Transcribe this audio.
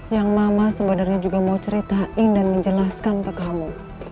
yang mama sebenarnya juga mau ceritain dan menjelaskan ke kamu